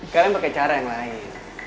kalian pakai cara yang lain